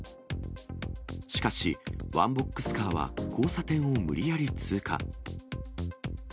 しかし、ワンボックスカーは交差点を無理やり通過。